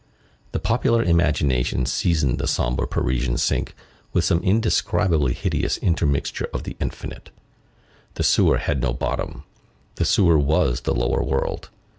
The popular imagination seasoned the sombre Parisian sink with some indescribably hideous intermixture of the infinite. The sewer had no bottom. The sewer was the lower world.